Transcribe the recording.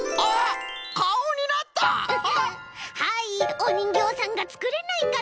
おにんぎょうさんがつくれないかと。